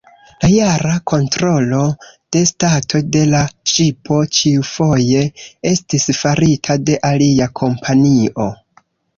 La jara kontrolo de stato de la ŝipo ĉiufoje estis farita de alia kompanio.